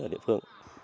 ở địa phương